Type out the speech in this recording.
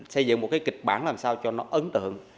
xây dựng một cái kịch bản làm sao cho nó ấn tượng